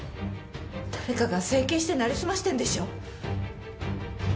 誰かが整形して成り済ましてんでしょ？